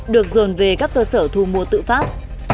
được dồn về các cơ sở thu mua tự phát